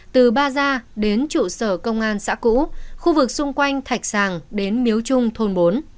từ ba gia đến trụ sở công an xã cũ khu vực xung quanh thạch sàng đến miếu trung thôn bốn